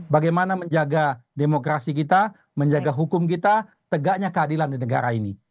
bagaimana menjaga demokrasi kita menjaga hukum kita tegaknya keadilan di negara ini